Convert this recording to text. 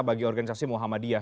bagi organisasi muhammadiyah